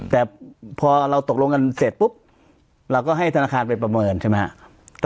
แต่พอเราตกลงกันเสร็จปุ๊บเราก็ให้ธนาคารไปประเมินใช่ไหมครับ